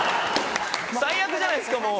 最悪じゃないですかもう。